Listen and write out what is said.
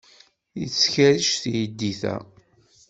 Tettkerric teydit-a.